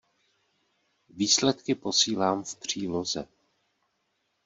Výsledky posílám v příloze.